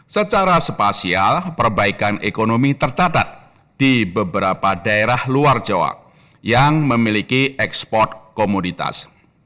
secara spasial perbaikan ekonomi tercatat di beberapa daerah luar jawa yang memiliki ekspor komoditas